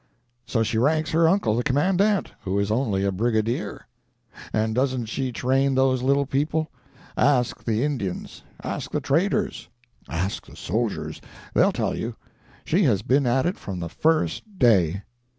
So she ranks her uncle the commandant, who is only a Brigadier. And doesn't she train those little people! Ask the Indians, ask the traders, ask the soldiers; they'll tell you. She has been at it from the first day.